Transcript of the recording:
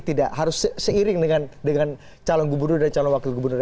tidak harus seiring dengan calon gubernur dan calon wakil gubernur